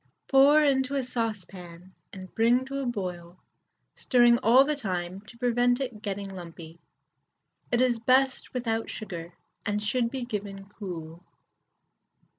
Pour into a saucepan and bring to the boil, stirring all the time to prevent it getting lumpy. It is best without sugar, and should be given cool.